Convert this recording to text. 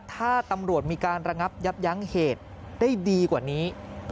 ถ้าตำรวจมีการระงับยับยั้งเหตุได้ดีกว่านี้